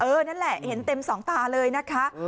นั่นแหละเห็นเต็มสองตาเลยนะคะ